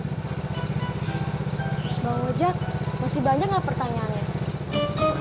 bang ojak pasti banyak gak pertanyaannya